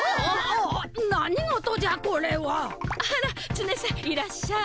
あらツネさんいらっしゃい。